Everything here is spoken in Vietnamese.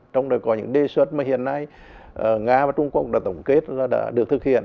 trong đó có những đề xuất mà hiện nay nga và trung quốc đã tổng kết là đã được thực hiện